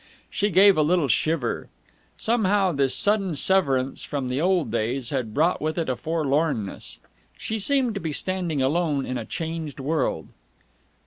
She gave a little shiver. Somehow this sudden severance from the old days had brought with it a forlornness. She seemed to be standing alone in a changed world.